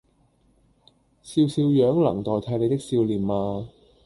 笑笑樣能代替你的笑臉嗎